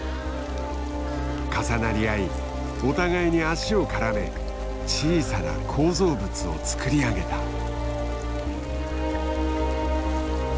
重なり合いお互いに足を絡め小さな構造物を作り上げた。